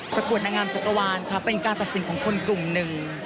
ประกวดนางงามจักรวาลค่ะเป็นการตัดสินของคนกลุ่มหนึ่ง